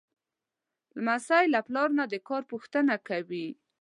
لمسی له پلار نه د کار پوښتنه کوي.